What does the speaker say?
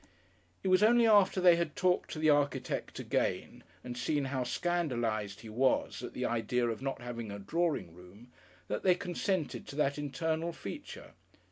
It was only after they had talked to the architect again and seen how scandalised he was at the idea of not having a drawing room that they consented to that Internal Feature.